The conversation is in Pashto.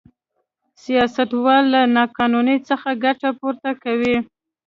سیاستوال له نا قانونۍ څخه ګټه پورته کوي.